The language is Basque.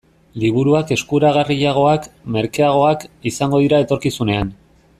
Liburuak eskuragarriagoak, merkeagoak, izango dira etorkizunean.